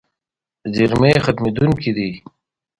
زیرمې ختمېدونکې دي.